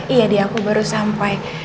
iya di aku baru sampai